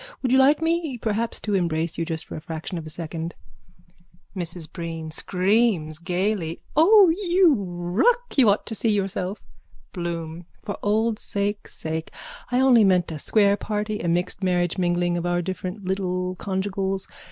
Would you like me perhaps to embrace you just for a fraction of a second? MRS BREEN: (Screams gaily.) O, you ruck! You ought to see yourself! BLOOM: For old sake' sake. I only meant a square party, a mixed marriage mingling of our different little conjugials.